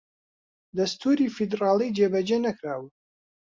دەستووری فیدڕاڵی جێبەجێ نەکراوە